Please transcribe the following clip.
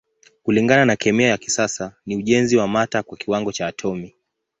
Kulingana na kemia ya kisasa ni ujenzi wa mata kwa kiwango cha atomi.